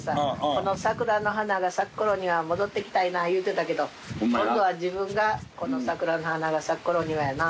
この桜の花が咲く頃には戻ってきたいな言うてたけど今度は自分がこの桜の花が咲く頃にはやな。